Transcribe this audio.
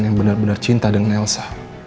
yang benar benar cinta dengan elsa